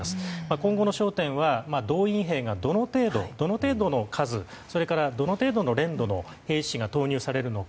今後の焦点は動員兵がどの程度の数それからどの程度の練度の兵士が投入されるのか。